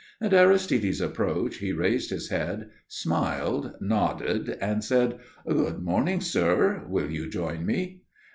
At Aristide's approach he raised his head, smiled, nodded and said: "Good morning, sir. Will you join me?"